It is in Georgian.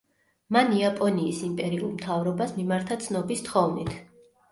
მან იაპონიის იმპერიულ მთავრობას მიმართა ცნობის თხოვნით.